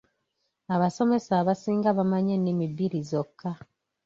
Abasomesa abasinga bamanyi ennimi bbiri zokka